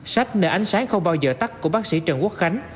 sách nơi ánh sáng không bao giờ tắt của bác sĩ trần quốc khánh